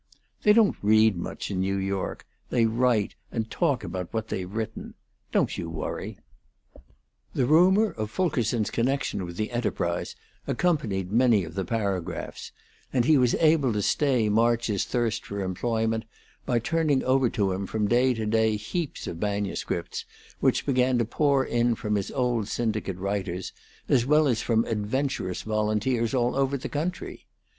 They don't read much in New York; they write, and talk about what they've written. Don't you worry." The rumor of Fulkerson's connection with the enterprise accompanied many of the paragraphs, and he was able to stay March's thirst for employment by turning over to him from day to day heaps of the manuscripts which began to pour in from his old syndicate writers, as well as from adventurous volunteers all over the country.